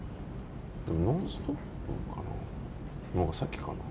「ノンストップ！」のほうが先かな。